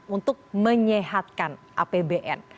untuk menyehatkan apbn